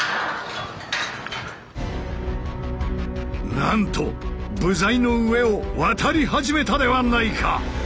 なんと部材の上を渡り始めたではないか！